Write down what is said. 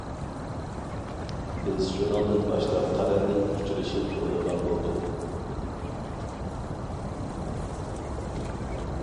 بىز شۇنىڭدىن باشلاپ قەرەللىك ئۇچرىشىپ تۇرىدىغان بولدۇق.